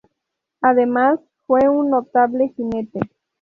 Además fue un notable jinete.